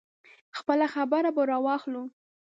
خپله خبره به راواخلو.